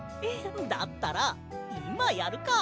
だったらいまやるか！